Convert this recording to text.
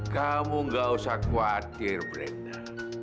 kamu gak usah khawatir bribda